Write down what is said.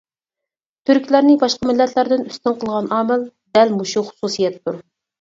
تۈركلەرنى باشقا مىللەتلەردىن ئۈستۈن قىلغان ئامىل دەل مۇشۇ خۇسۇسىيەتتۇر.